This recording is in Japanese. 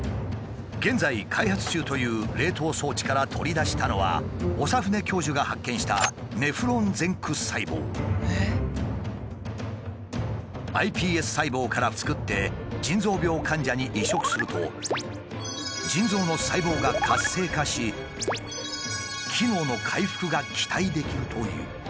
現在開発中という冷凍装置から取り出したのは長船教授が発見したｉＰＳ細胞からつくって腎臓病患者に移植すると腎臓の細胞が活性化し機能の回復が期待できるという。